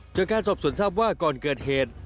จากการสอบสวนทราบว่าก่อนเกิดเหตุ